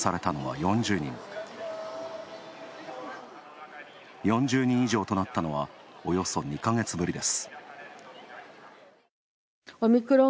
４０人となったのはおよそ２ヶ月ぶりです。